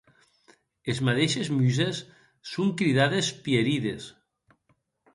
Es madeishes Muses son cridades Pierides.